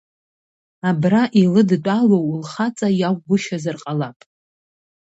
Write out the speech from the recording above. Абра илыдтәалоу лхаҵа иакәгәышьазар ҟалап!